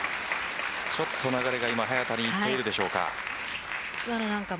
ちょっと流れが今早田にいっているでしょうか。